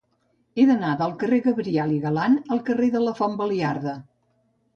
He d'anar del carrer de Gabriel y Galán al carrer de la Font Baliarda.